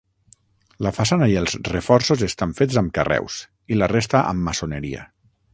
La façana i els reforços estan fets amb carreus i la resta amb maçoneria.